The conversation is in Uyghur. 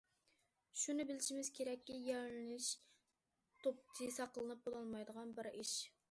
شۇنى بىلىشىمىز كېرەككى يارىلىنىش توپچى ساقلىنىپ بولالمايدىغان بىر ئىش.